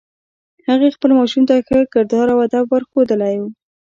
هغې خپل ماشوم ته ښه کردار او ادب ور ښوولی